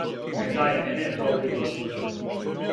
"Не дај мене, добри господару,"